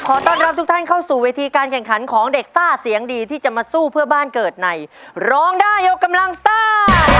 ต้อนรับทุกท่านเข้าสู่เวทีการแข่งขันของเด็กซ่าเสียงดีที่จะมาสู้เพื่อบ้านเกิดในร้องได้ยกกำลังซ่า